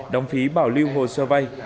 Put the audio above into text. đóng phí bảo lưu hồ sơ vay